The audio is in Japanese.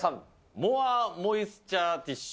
モアモイスチャーティシュ。